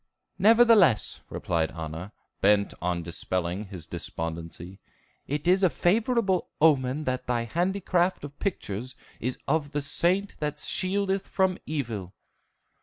"Nevertheless," replied Anna, bent on dispelling his despondency, "it is a favorable omen that thy handicraft of pictures is of the saint that shieldeth from evil."